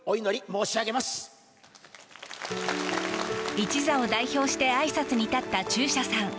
一座を代表してあいさつに立った中車さん。